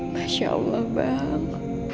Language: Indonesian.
masya allah bang